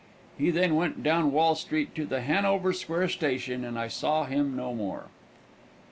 He then went down Wall street to the Hanover Square station and I saw him no more.